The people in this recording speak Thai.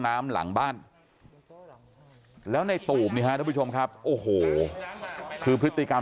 น้ำหลังบ้านแล้วในตูบนี่ฮะทุกผู้ชมครับโอ้โหคือพฤติกรรม